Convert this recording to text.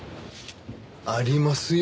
ありますよ